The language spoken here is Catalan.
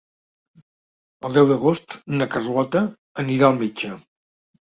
El deu d'agost na Carlota anirà al metge.